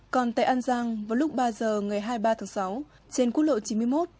còn tại an giang vào lúc ba giờ ngày hai mươi ba tháng sáu trên quốc lộ chín mươi một